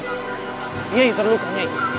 nyi terluka nyi